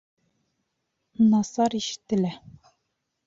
Насар ишетелә